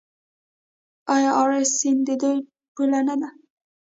آیا اراس سیند د دوی پوله نه ده؟